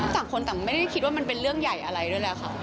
ต่างคนต่างไม่ได้คิดว่ามันเป็นเรื่องใหญ่อะไรด้วยแล้วค่ะ